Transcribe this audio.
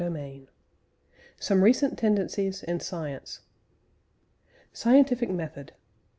CHAPTER XII SOME RECENT TENDENCIES IN SCIENCE SCIENTIFIC METHOD.